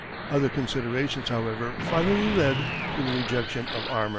Other considerations, however, finally led to the rejection of armour.